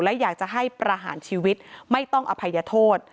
และอยากจะให้ประหารชีวิตไม่ต้องอภัยโทษ